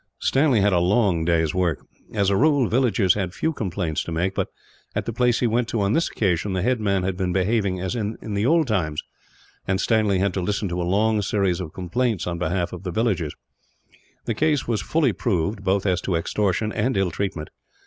Stanley had a long day's work. As a rule, the villagers had few complaints to make but, at the place he went to on this occasion, the headman had been behaving as in the old times; and Stanley had to listen to a long series of complaints on behalf of the villagers. The case was fully proved, both as to extortion and ill treatment.